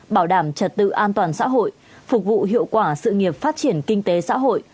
bảo đảm trật tự an toàn xã hội phục vụ hiệu quả sự nghiệp phát triển kinh tế xã hội